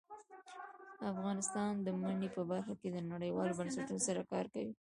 افغانستان د منی په برخه کې نړیوالو بنسټونو سره کار کوي.